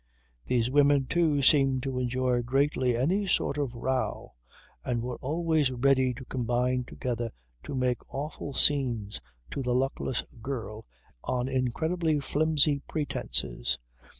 These women, too, seemed to enjoy greatly any sort of row and were always ready to combine together to make awful scenes to the luckless girl on incredibly flimsy pretences.